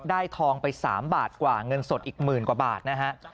ทองไป๓บาทกว่าเงินสดอีกหมื่นกว่าบาทนะฮะ